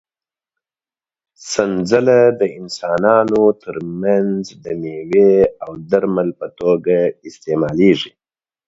سنځله د انسانانو تر منځ د مېوې او درمل په توګه استعمالېږي.